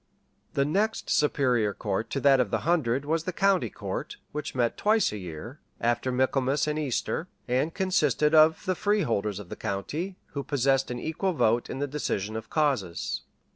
] The next superior court to that of the hundred was the county court, which met twice a year, after Michaelmas and Easter, and consisted of the freeholders of the county, who possessed an equal vote in the decision of causes.